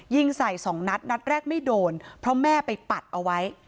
ยิงใส่สองนัดนัดแรกไม่โดนเพราะแม่ไปปัดเอาไว้